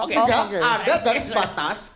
soalnya ada garis batas